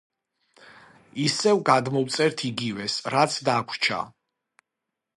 ისევ გადმოვწერთ იგივეს, რაც დაგვრჩა.